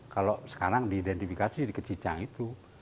kalau sekarang diidentifikasi di kecicang itu